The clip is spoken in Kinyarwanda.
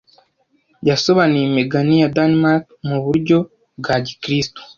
yasobanuye imigani ya Danemark mu buryo bwa gikristo